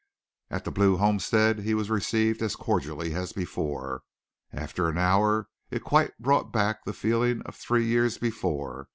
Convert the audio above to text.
At the Blue homestead he was received as cordially as before. After an hour it quite brought back the feeling of three years before.